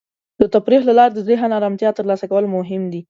د تفریح له لارې د ذهن ارامتیا ترلاسه کول مهم دی.